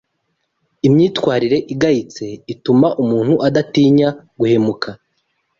Imyitwarire igayitse ituma umuntu adatinya guhemuka